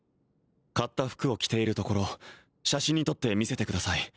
買った服を着ているところ写真に撮って見せてください